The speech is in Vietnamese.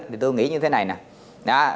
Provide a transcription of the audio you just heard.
thì tôi nghĩ như thế này nè